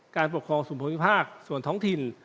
การปกครองส่วนภูมิภาคส่วนท้องถิ่น